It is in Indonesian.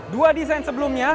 dua desain sebelumnya